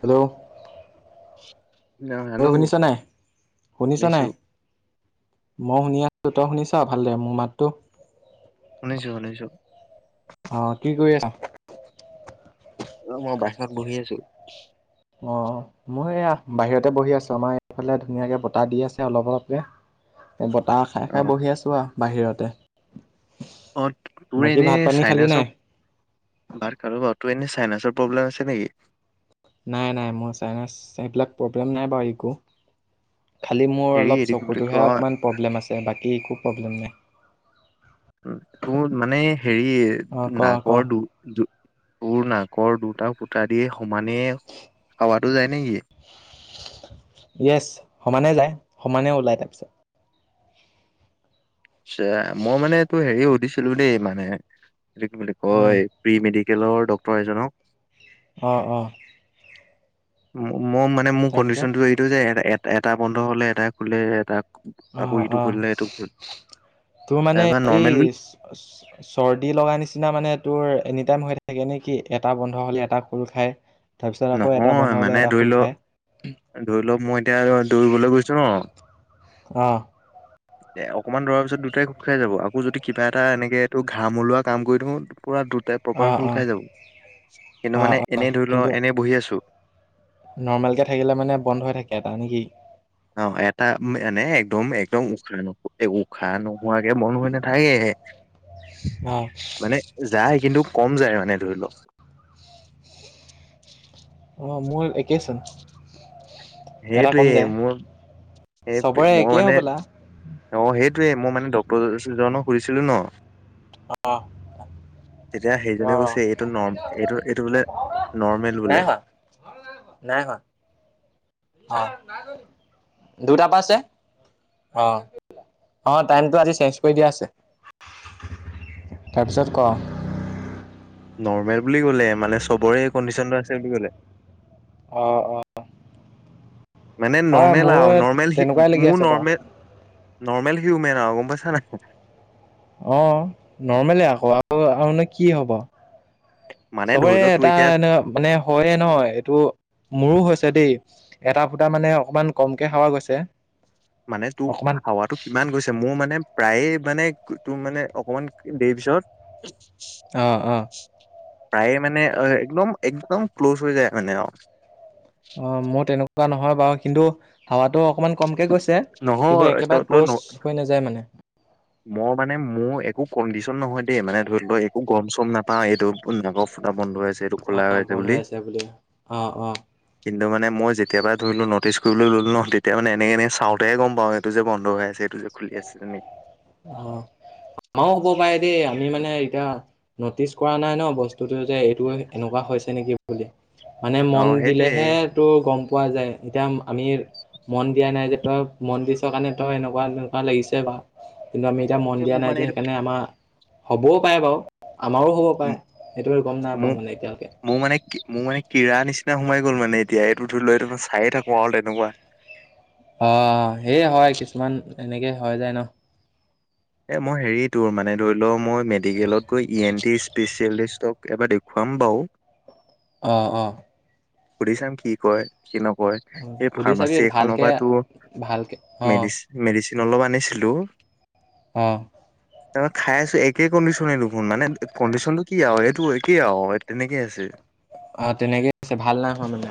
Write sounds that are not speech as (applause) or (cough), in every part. Hello (inaudible) হেৰৌ hello শুনিছ নাই? শুনিছ শুনিছো নাই? মই শুনি আছো। তই শুনিছা? ভাল দে, মোৰ মাততো শুনিছো শুনিছো। অ কি কৰি আছ? অ মই বাহিৰত বহি আছো। অ মই এইয়া বাহিৰতে বহি আছো আমাৰ এইফালে ধুনীয়াকে বতাহ দি আছে অলপ অলপকে। বতাহ খাই অ খাই বহি আছো আ বাহিৰতে। অ তোৰ বাকী এনে ভাত পানী খালি নাই ছাইনাছৰ ভাত খালো বাৰু। তো এনে ছাইনাছৰ প্ৰব্লেম আছে নেকি? নাই নাই মই ছাইনাছ সেইবিলাক প্ৰব্লেম নাই বাৰু ইকো। খালী মোৰ হেৰি অলপ এইটো কি বুলি চকুটোহে কয় অকণমান প্ৰব্লেম আছে বাকী একো প্ৰব্লেম নাই। উ তোৰ মানে হেৰি অ ক ক নাগৰ দু দু তোৰ নাকৰ দুটাক ফুটা দিয়ে সমানে হাৱাতো যায় নেকি? য়েছ সমানে যায়, সমানে ওলাই তাৰপিছত। চা মই মানে এইটো হেৰি সুধিছিলো দেই মানে এইটো কি বুলি উম কয় প্ৰি মেডিকেলৰ ডক্তৰ এজনক অ অ। মো ম মানে মোৰ তাৰপিছত কণ্ডিশনটো এইটো যে এ এট এটা বন্ধ হলে এটা খোলে এটা অ আকৌ ইটো অ খুলিলে এইটো খোল তোৰ মানে তাৰপৰা নৰ্মেল বুলি এইছ চৰ্দি লগা নিচিনা মানে তোৰ এনি টাইম হৈ থাকে নে কি এটা বন্ধ হ'লে এটা খোল খায়। তাৰপিছত আকৌ এটা নহয় বন্ধ হ'লে মানে এটা ধৰি খোল ল খায়। ধৰি লওক মই এতিয়া দৌৰিবলৈ গৈছো ন। অঁ (inaudible) এ অকণমান দৰাৰ পিছত দুটাই খোট খাই যাব, আকৌ যদি কিবা এটা এনেকে এইটো ঘাম ওলোৱা কাম কৰি থওঁ পুৰা দুটাই প্ৰপাৰ অঁ খোল অঁ খাই যাব, কিন্তু অঁ মানে এনেই ধৰি লও কিন্তু এনেই বহি আছো। নৰ্মেলকে থাকিলে মানে বন্ধ হৈ থাকে এটা নেকি? অঁ, এটা এনে একদম একদম উশাহ ন উশাহ নোহোৱাকে বন্ধ হৈ নাথাকে। (inaudible) অঁ মানে যায়, কিন্তু কম যায় মানে ধৰি লওক। অ, মোৰ একেই চোন। সেইটোৱে মোৰ, এই চবৰে মই একেই মানে হ'বলা অঁ, সেইটয়ে মই মানে ডক্তৰ ওচৰলৈ যদি যাওঁ ন সুধিছিলো ন। অঁ তেতিয়া সেইজনে অঁ কৈছে, এইটো ন এইটো এইটো বোলে নৰ্মেল নাই বোলে। হোৱা নাই হোৱা। অ দুটা পা আছে। অ টাইমটো আজি চেঞ্জ কৰি দিয়া আছে। তাৰপিছত ক। নৰ্মেল বুলি কলে, মানে চবৰে কণ্ডিচনটো আছে বুলি কলে। অ অ। মানে নৰ্মেল মোৰো আও নৰ্মেল তেনেকুৱাই লাগি মোৰ আছে বাৰু নৰ্মেল নৰ্মেল হিউমেন আৰু গম পাইছা নাই। অঁ, নৰ্মলে আকৌ আৰু আৰুনো কি হব? মানে ধৰি চবৰে লও তোৰ এটা এতিয়া এনে মানে হয়য়ে নহয় এইটো মোৰো হৈছে দেই। এটা ফুটা মানে অকমান কমকে ‍ ‍হাৱা গৈছে। মানে তোক অকমান হাৱাতো। কিমান গৈছে মোৰ মানে প্ৰায়ে মানে তোৰ মানে অকমান দেৰি পিছত। অঁ অঁ। প্ৰায়ে মানে একদম একদম ক্ল'জ হৈ যায় মানে আও। অঁ মোৰ তেনেকুৱা নহয় বাৰু, কিন্তু হাৱাতো অকমান কমকে গৈছে নহয় কিন্তু তই একেবাৰে তই ন ক্ল'জ হৈ নাযায় মানে। মই মানে মোৰ একো কণ্ডিশন নহয় দেই মানে ধৰি লও একো গৰম চম নাপাও এইটোক ফুটা বন্ধ আছে। সেইটো অ খোলা হৈছে বন্ধ হৈ বুলি। আছে অ অ কিন্তু মানে মই যেতিয় পৰা ধৰিলো ন নটিচ কৰিবলৈ ললো নহ তেতিয়া মানে এনেক এনে চাওঁতেে গম পা এইটো যে বন্ধ হৈ আ যে খুলি আছে যোনে। অঁ, আমাৰও হ'ব পাৰে দেই আমি মানে এতিয়া নটিচ কৰা নাই ন বস্তুটো যে এইটো এনেকুৱা হৈছে নেকি বুলি। মানে অ মন সেইটোয়ে দিলেহে টো গম পোৱা যায় এতিয়া। আমি মন দিয়া নাই যে তই মন দিছ কাৰণে তই এনেকুৱা তেনেকুৱা লাগিছে বাওঁ। কিন্তু আমি এতিয়া মন এই দিয়া মোৰ নাই মানে যে এইটো সেইকাৰণে আমাৰ হ'বও পাৰে, বাৰু আমাৰো হ'ব পাৰে, সেইটো বে গম নাপাওঁ মোৰ মানে এতিয়ালৈকে মোৰ মানে মোৰ মানে কীৰা নিচিনা সোমাই গ'ল মানে এতিয়া এইটো ধৰি ল এইটো মই চায়ে থাকো আৰু তেনেকুৱা। অঁ, সেয়ে হয় কিছুমান এনেকে হয় যায় ন। এ মই হেৰি, তোৰ মানে ধৰি ল, মই মেডিকেলত গৈ ই এন টি স্পেচিয়েলিষ্টক এবাৰ দেখুৱাম বাও। (inaudible) অ', অ'। সুধি চাম, কি কয় কি নকয়। এই সুধি চাবি ফাৰ্মাচী এখনৰ ভালকে পৰা তো ভালকে অ' মেডি-মেডিচিন অলপ আনিছিলো। অঁ। তাৰ পৰা খাই আছোঁ, একে কণ্ডিশনে দেখোন। মানে কণ্ডিশ্যনটো কি আও, এইটো একেই আও তেনেকে আছে। অ', তেনেকে আছে ভাল নাই হোৱা মানে।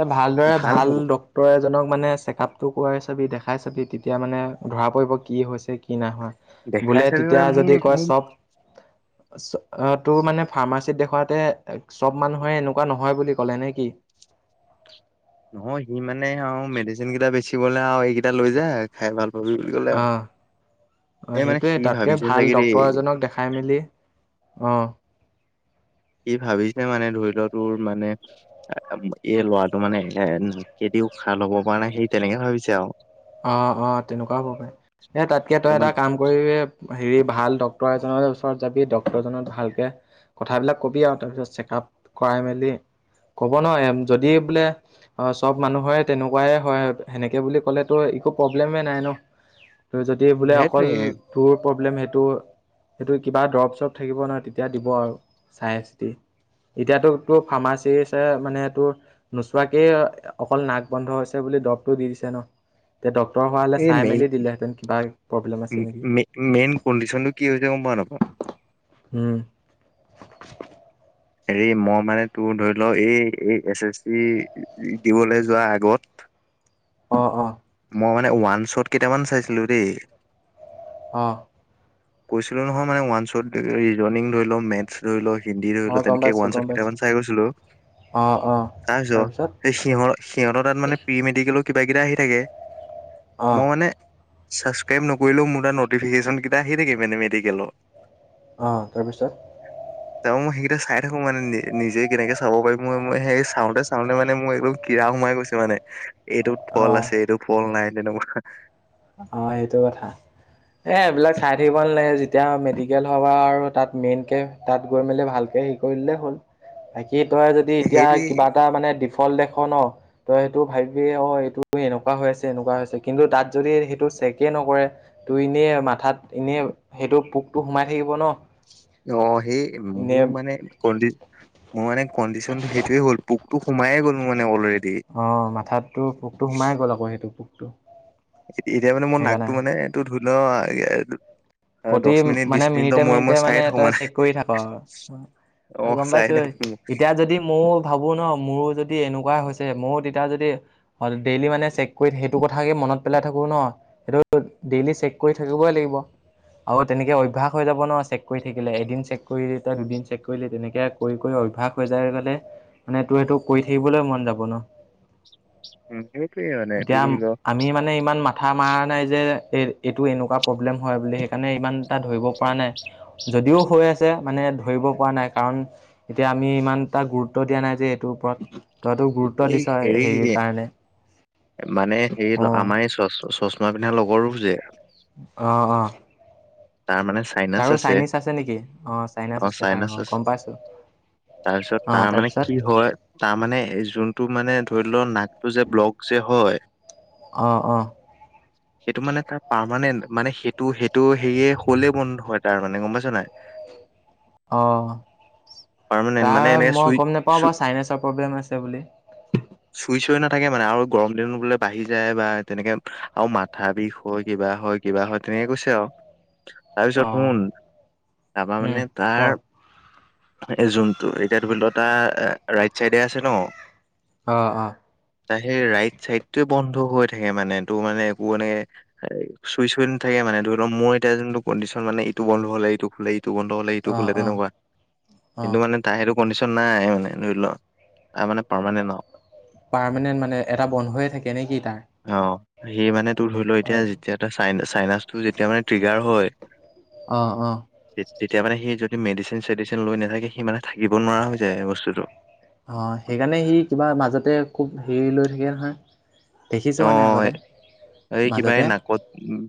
এ, ভালদৰে ভাল ডক ডক্তৰ এজনক মানে চেকআপটো কৰোৱাই চাবি, দেখাই চাবি। তেতিয়া মানে ধৰা পৰিব কি হৈছে, কি নাই হোৱা। দেখাই বোলে চাবি তেতিয়া মানে মোৰ যদি কয় মোৰ চব তোৰ মানে ফাৰ্মাচিত দেখুৱাতে চব মানুহে এনেকুৱা নহয় বুলি ক'লে নে কি? নহয়, সি মানে আৰু মেডিচিন কেইটা বেচিবলে, আৰু এইকেইটা লৈ যায় খাই ভাল হবি বুলি কলে অ আও। অ' সেইটোয়ে তাতকে ভাল চাগে দেই ডক্তৰ এজনক দেখাই মেলি, অ' সি ভাবিছে মানে, ধৰি ল' তোৰ মানে এই ল'ৰাটো মানে এ কেদি উশাহ ল'ব পৰা নাই, সেই তেনেকে ভাবিছে আও। অ' অ', তেনেকুৱাও হ'ব পাৰে, এ তাতকে সেইটো তই এটা মানে কাম কৰি হেৰি ভাল ডক্তৰ এজনৰ ওচৰত যাবি, ডক্তৰ জনক ভালকে কথাবিলাক ক'বি, আৰু তাৰপিছত চেকআপ কৰাই মেলি ক'ব নহ, এ যদি বোলে অ চব মানুহৰে তেনেকুৱাই হয়। সেনেকে বুলি ক'লে ত' একো প্ৰব্লেমে নাই ন, তই যদি উম বোলে সেইটোৱে অকল তোৰ প্ৰব্লেম সেইটো সেইটো কিবা দৰপ-চৰপ থাকিব নহ, তেতিয়া দিব আৰু চাই-চিতি। এতিয়াতো তোৰ ফাৰ্মাচীছে মানে তোৰ নোচোৱাকেই অকল নাক বন্ধ হৈছে বুলি দবটো দি দিছে ন। এতিয়া ডক্তৰ হোৱা হ'লে এই, চাই মেলি দিলেহেঁতেন কিবা প্ৰব্লেম আছে নেকি। মেই-মেইন কণ্ডিচনটো কি হৈছে, গম পাৱ নাপাৱ? উম'। হেৰি, মই মানে তোৰ ধৰি ল, এই এই এছ এছ চি দিবলৈ যোৱা আগত অ', অ'। মই মানে ওৱান শ্বত কেইটামান চাইছিলোঁ দেই। অঁ। কৈছিলোঁ নহয়, মানে ওৱান শ্বত ৰনিং ধৰি ল, মেট ৰৈ ল, হিন্দী ৰই ল, অ', গম তেনেকে পাইছোঁ ৱান গম শ্বট পাইছোঁ। কেইামান চাই গৈছিলোঁ। অ', অ', তাৰ পিছত তাৰপিছত সেই সিহ সিহঁতৰ তাত মানে প্ৰি-মেডিকেল কিবা কিটা আহি থাকে। অ', মই মানে ছাবস্ক্ৰাইব নকৰিলেও মোৰ তাত নটিফিকেচনকিটা আহি থাকে, মানে মেডিকেল। অঁ, তাৰপিছত? (inaudible) তাৰপা মই সেইকেইটা চাই থাকোঁ মানে, নি-নিজে কেনেকে চাব পাৰি? মই মই সেই চাওঁতে চাওঁতে মানে মই (unintelligible) কিৰা সোমাই গৈছে মানে, এইটোত ফল অ', আছে, এইটোত ফল নাই--তেনেকুৱা। অ' সেইটো কথা। এই এইবিলাক চাই থাকিব নালাগে, যেতিয়া মেডিকেল হ'বা আৰু তাত মেইনকে তাত গৈ মেলি ভালকে হেৰি কৰিললেই হ'ল, বাকী তই যদি এতিয়া সেইটোৱেই কিবা এটা মানে ফল দেখ ন, তই সেইটো ভাবিবি অ এইটো এনেকুৱা হৈ আছে, এনেকুৱা হৈছে কিন্তু তাত যদি সেইটো চেকেই নকৰে। তোৰ এনেই মাথাত এনে সেইটো পোকটো সোমাই থাকিব ন অ সেই এনে মোৰ মানে ক দি মোৰ মানে কনডিচনটো সেইটোৱে হল পোকটো সোমায়ে গ'ল মানে অলৰেদি অ মাথাত তোৰ পোকটো সোমাই গ'ল আকৌ সেইটো পোকটো। এতিয়া মানে মোৰ সেইকাৰণে নাকটো মানে এইটো ধৰি ল প্ৰতি দহ মিনিট বিশ মানে মিনিটৰ মিনিটে মূৰে মিনিটে মূৰে চাই মানে থাকো তই চেক কৰি থাক অ আৰু গম চাই পাইছো ঐ থাকো এতিয়া যদি মো ভাবো ন মোৰো যদি এনেকুৱাই হৈছে মইও তেতিয়া যদি হয় ডেইলি মানে চেক কৰি সেইটো কথাকে মনত পেলাই থাকো ন সেইটো ডেইলি চেক কৰি থাকিবই লাগিব। আৰু তেনেকে অভ্যাস হৈ যাব ন চেক কৰি থাকিলে, এদিন চেক কৰিলি তই দুদিন চেক কৰিলি তেনেকে কৰি কৰি অভ্যাস হৈ যায় মানে তোৰ এইটো কৰি থাকিবগে মন যাব ন। সেইটোয়ে মানে এইটো এতিয়া ধৰি ল আমি মানে ইমান মা মাথা মাৰ নাই যে এই এইটো এনেকুৱা প্ৰব্লেম হয় বুলি সেইকাৰণে ইমান এটা ধৰিব পৰা নাই যদিও হৈ আছে মানে ধৰিব পৰা নাই কাৰণ এতিয়া আমি ইমানটা গুৰুত্ব দিয়া নাই যে এইটোৰ ওপৰত তইতো গুৰুত্ব এই দিছ হেৰি হেৰিৰ যে কাৰণে মানে হে অ আমাৰ এই চ চ চশমা পিন্ধা লগৰটো যে অ অ তাৰমানে তাৰো চাইনিজ আছে নেকি, অ অ চাইনিজ আছে তাৰ চাইনাচ অ আছে গম পাইছো। তাৰপিছত তাৰ মানে কি হয় তাৰ মানে এই যোনটো মানে ধৰি ল নাকটো যে ব্লক যে হয় অ অ সেইটো মানে তাৰ পাৰমানেন্ট, মানে সেইটো সেইটো হেয়ে হ'লে বন্ধ হয় তাৰ মানে গম পাইছ নাই? অ পাৰমানেন্ট মানে তাৰ এনেকে চুই মই গম নাপাওঁ চু বাঅ চাইনেছৰ প্ৰব্লেম হৈছে বুলি চুই চুই নাথাকে মানে, আৰু গৰম দিন বোলে বাঢ়ি যায় বা তেনেকে আৰু মাত মাথা বিষ হয়, কিবা হয় কিবা হয় তেনেকে কৈছে আৱ তাৰপিছত অ শুন তাপা মানে ক তাৰ জোনটো এতিয়া ধৰি ল তাৰ ৰাইট চাইডে আছে ন অ অ তা সেই ৰাইট চাইডটোৱে বন্ধ হৈ থাকে মানে তোৰ মানে একো মানে এ চুই চুই নাথাকে মানে ধৰি ল মই এতিয়া যোনটো কনডিশ্বন মানে ইটো বন্ধ হলে ইটো খোলে, ইটো বন্ধ হলে ইটো অ খোলে অ তেনেকুৱা। অ কিন্তু মানে তাই সেইটো কনডিশ্বন নাই মানে ধৰি ল তাৰ মানে পাৰমানেণ্ট আৱ পাৰমানেণ্ট মানে এটা বন্ধয়ে থাকে নে কি তাৰ? অ সি মানে তোৰ ধৰি ল এতিয়া যেতিয়া চাইনা চাইনাছটো যেতিয়া মানে ফ্ৰিগাৰ হয় অ', অ'। তেতিয়া মানে সি যদি মেডিচেন চেডিচেন লৈ নাথাকে, সি মানে থাকিব নোৱাৰা হৈ যায় বস্তুটো। অ সেইকাৰণে সি কিবা মাজতে খুব হেৰি লৈ থাকে নহয়। অ দেখিছোঁ মানে আগতে এই কিবা এই মাজতে নাকত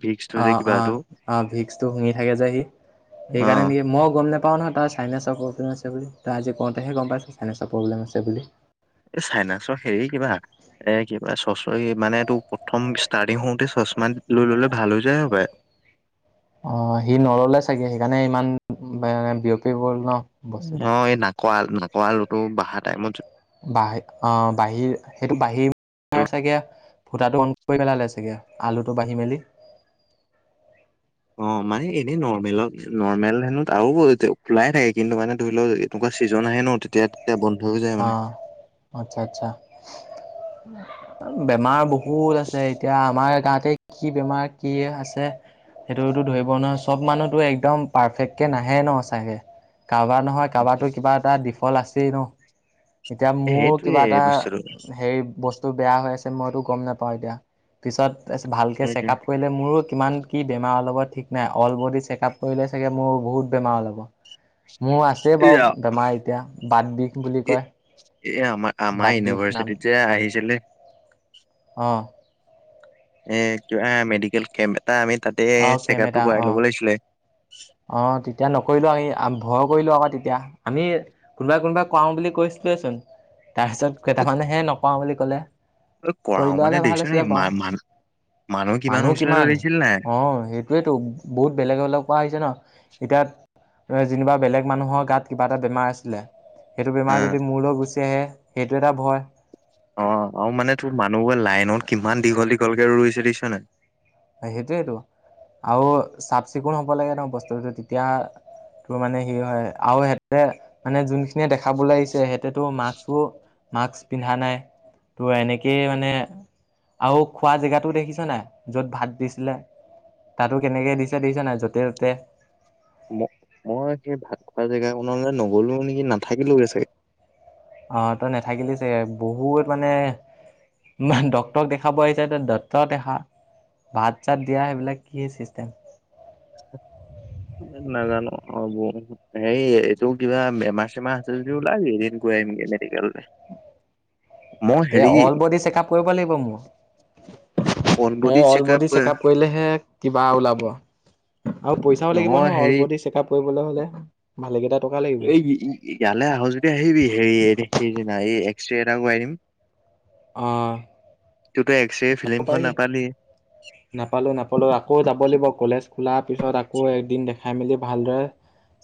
ভিক্সটো অ যে অ কিবাটো অ ভিক্সটো শুঙি থাকে যে সি অ সেইকাৰণে নেকি মও গম নেপ পাওঁ নহয় তাৰ চাইনেছৰ প্ৰব্লেম আছে বুলি, তই আজি কওঁতেহে গম পাইছোঁ চাইনেছৰ প্ৰব্লেম আছে বুলি। এই চাইনাচৰ হেৰি কিবা এ কিবা চচৰি মানে তোৰ প্ৰথম ষ্টাৰ্টিং হওঁতে চশমা লৈ ললে ভাল হৈ যায় হপায় অ সি নললে চাগে সেইকাৰণে ইমান বে বিয়পি পৰিল ন। বস্তুটো। অ এই নাকৰ নাকৰ আলু টো বাহা টাইমত বাহে আহ বাঁহিৰ সেইটো বাঁহিৰ চাগে ফুটাটো অন কৰি পেলালে চাগৈ আলুটো বাঢ়ি মেলি। অ মানে এনেই নৰ্মেলত নৰ্মেল হেনো আৰু বৌতেও খোলাই থাকে কিন্তু মানে ধৰি লও এনেকুৱা ছিজন আহে ন তেতিয়া তেতিয়া বন্ধ হৈ যায় মানে। অ', আচ্ছা আচ্ছা বেমাৰ বহুত আছে এতিয়া আমাৰ গাঁতে কি বেমাৰ কি আছে সেইটোতো ধৰিব নোৱাৰে চব মানুহটো একদম পাৰফেক্টকে নাহে ন সচাকে কাৰবাৰ নহয় কাৰবাৰ কিবা এটা ডিফল্ট আছেই ন এতিয়া মোৰ কিবা সেইটোয়ে এটা বস্তুটো হেৰি বস তো বেয়া হৈ আছে মই টো গম নেপাও এতিয়া পিছত ভালকে সেইটোৱে চেকাপ কৰিলে মোৰো কিমান কি বেমাৰ ওলাব ঠিক নাই অল বডি চেকআপ কৰিলে চাগে মোৰ বহুত বেমাৰ ওলাব (inaudible) মোৰ আছে বাৰু বেমাৰ এতিয়া বাদ বিষ বুলি এ কয় এ আমাৰ আমাৰ ইউনিভাৰ্চিটিত যে আহিছিলে অহ এ মেডিকেল কেম্প এটা আমি তাতে অ', চেক আপটো কেমেটা কৰাই অ'। ল'ব লাগিছিলে। অ তেতিয়া নকৰিলো আমি ভয় কৰিলো আকৌ তেতিয়া আমি কোনোবাই কোনোবাই কৰাও বুলি কৈছিলচোন তাৰপিছত এ কেইটামানেহে নকৰাও বুলি কলে। কৰি কৰাও লোৱা মানে হ'লে ভাল দেখিছানে আছিলে বাৰু ইমান মানুহ মানুহ কিমান হৈছিলে তই দেখিছিলি নে নাই।। অ সেইটোৱেতো বহুত বেলেগ বেলেগ পোৱা আহিছে ন। এতিয়া যেনিবা বেলেগ মানুহৰ গাত কিবা এটা বেমাৰ আছিলে সেইটো বেমাৰ অ' যদি মোৰলৈ গুচি আহে সেইটো এটা ভয় অ আও মানে তোৰ মানুহবোৰে লাইনত কিমান দীঘল দীঘলকে ৰুইছে দেখিছানে নাই সেইটোৱেতো আও চাফ চিকুণ হ'ব লাগে নো বস্তুটো তেতিয়া টো মানে সি হয় আও সিহঁতে মানে যোনখিনিয়ে দেখাবলে আহিছে সিহঁতে মাক্সবোৰ মাস্ক পিন্ধা নাই তোৰ এনেকেই মানে আও খোৱা জেগাটো দেখিছা নাই য'ত ভাত দিছিলে তাতো কেনেকে দিছে দেখিছা নাই য'তে ত'তে ম- মই সেই ভাল খোৱা জেগাকনলে নগলো নেকি নাথাকিলোৱে চাগে অহ তই নেথাকিলি চাগে বহুত মানে ইমান ডক্তৰক দেখাব আহিছা তে ডক্টৰক দেখা ভাত চাত দিয়া সেইবিলাক কি চিষ্টেম নাজানো আৰু সেই এইটো কিবা বেমাৰ চেমাৰ আছে যদি ওলাবি এদিন গৈ আহিমগে মেডিকেললে (inaudible) তাকে হেৰি অল বডি চেক আপ কৰিব লাগিব মোৰ মই অনবডি all checkup body check up কৰিলেহে কিবা ওলাব আৰু পইচাও লাগিব নহয় অল বদি চেকআপ কৰিবলে হলে ভালেকেইটা টকা লাগিব এই ইয়ালে আহ যদি আহিবি হেৰি সেইদিনা এই এক্সৰে এটা কৰাই দিম অ তোৰতো এক্সৰে ফিল্মখন নাপালি নাপালো নাপালো আকৌ যাব লাগিব কলেজ খোলাৰ পিছত আকৌ একদিন দেখাই মেলি ভালদৰে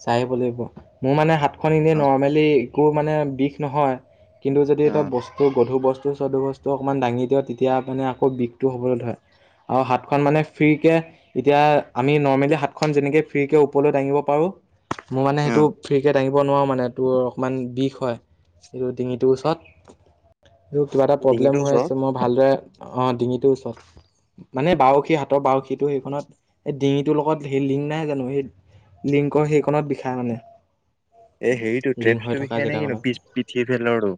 চাই আহিব লাগিব, মোৰ মানে হাত খন এনেই অ নৰ্মেলি একো মানে বিষ নহয়, কিন্তু যদি অ এটা বস্তু গধুৰ বস্তু গধু চধু বস্তু অকণমান দাঙি দিয়ওঁ তেতিয়া মানে আকৌ বিষটো হ'বলৈ ধৰে। অঁ, হাতখন মানে ফ্ৰীকে। এতিয়া আমি নৰ্মেলি হাতখন যেনেকে ফ্ৰী কে ওপৰলৈ দাঙিব পাৰো, মোৰ মানে অ সেইটো ফ্ৰী কে দাঙিব নোৱাৰোঁ মানে তোৰ অকণমান বিষ হয়। এইটো ডিঙিটোৰ ওচৰত এইটো কিবা এটা ডিঙিটো প্ৰব্লেম হৈ ওচৰত আছে, মই ভালদৰে অ ডিঙিটোৰ ওচৰত। মানে বাউসী হাতৰ বাউসীটো সেইখনত ডিঙিটোৰ লগত সেই লিং নাই জানো। সেই লিংকৰ সেইখনত বিষায় মানে। এ হেৰিটো লিংক হৈ ট্ৰেপটো বিষেয় নাই নো পি পিঠিৰ এলৰোটো।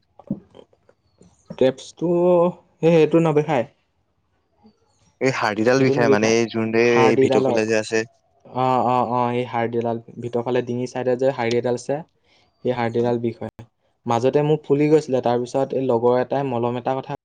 টেপচটো সেই সেইটো নেবিষাই। এই হাৰ্ডিডাল বিষয়ে মানে এই যোনটো এই ভিতৰফালে যে আছে। অঁ অঁ অঁ এই হাডিডাল ভিতৰ ফালে ডিঙিৰ চাইডেত যে হাৰডি এডাল আছে। সেই হাৰ্ডীদাল বিষ হয়, মাজতে মোক ফুলি গৈছিলে তাৰ পিছত এই লগৰ এটাই মলম এটাৰ কথা